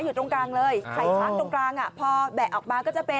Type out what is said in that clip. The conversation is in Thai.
อือ